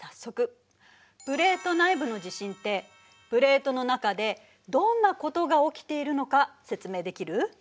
プレート内部の地震ってプレートの中でどんなことが起きているのか説明できる？